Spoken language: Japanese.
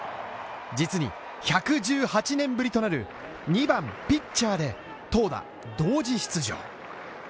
実に１１８年ぶりとなる２番ピッチャーで投打同時出場。